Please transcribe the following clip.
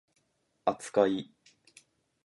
扱い